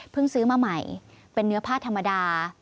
ซื้อมาใหม่เป็นเนื้อผ้าธรรมดา